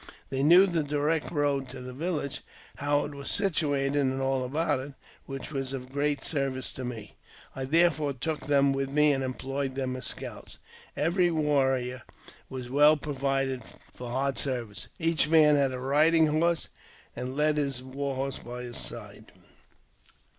They knew the direct road to the village, how it was situated, and all about it, which was of great service to me. I therefore took them with me, and employed them as scouts. Every warrior was well provided for hard service ; each man had a riding horse, and led his war horse by his side.